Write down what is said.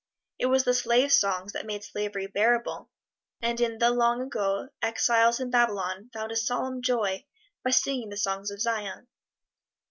It was the slave songs that made slavery bearable; and in the long ago, exiles in Babylon found a solemn joy by singing the songs of Zion.